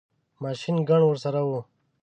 ماشین ګن ورسره وو.